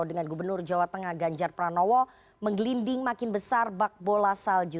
dengan gubernur jawa tengah ganjar pranowo menggelinding makin besar bak bola salju